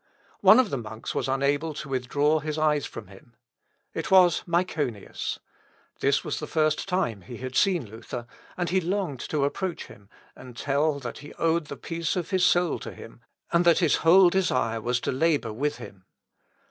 One of the monks was unable to withdraw his eyes from him. It was Myconius. This was the first time he had seen Luther, and he longed to approach him, and tell that he owed the peace of his soul to him, and that his whole desire was to labour with him.